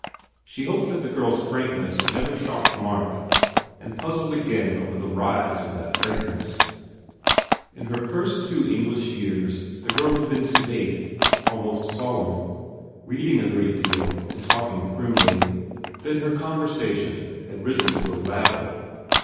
She hoped that the girl s frank ness never shocked Mark and puzzled again over the rise of that frankness. In her first two English years the child had been sedate, almost solemn, reading a great deal and talking primly. Then her conversation had risen to a rattle.